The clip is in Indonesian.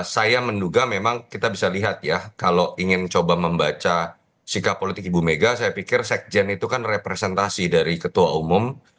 saya menduga memang kita bisa lihat ya kalau ingin coba membaca sikap politik ibu mega saya pikir sekjen itu kan representasi dari ketua umum